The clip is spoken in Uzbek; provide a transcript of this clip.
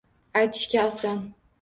Aytishga oson.